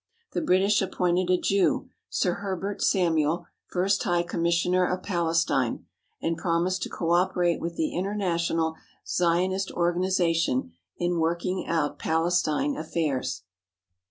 The British appointed a Jew, Sir Herbert Samuel, first High Commissioner of Palestine, and promised to cooperate with the inter national Zionist organization in working out Palestine affairs.